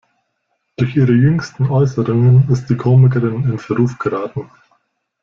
Durch ihre jüngsten Äußerungen ist die Komikerin in Verruf geraten.